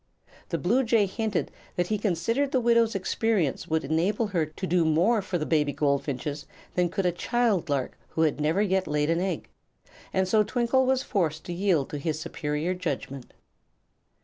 The bluejay hinted that he considered the widow's experience would enable her to do more for the baby goldfinches than could a child lark who had never yet laid an egg, and so Twinkle was forced to yield to his superior judgment.